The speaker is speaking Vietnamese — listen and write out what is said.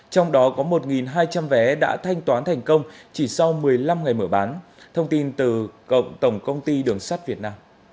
trong đó có một hai trăm linh vé đã thanh toán thành công chỉ sau một mươi năm ngày mở bán